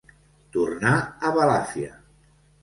Tornar a Balàfia.